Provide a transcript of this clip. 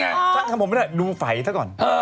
ช่างทำผมไม่ได้ดูฝัยเท่าก่อน